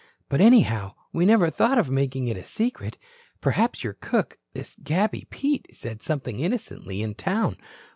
"But, anyhow, we never thought of making it a secret. Perhaps your cook this Gabby Pete said something innocently in town.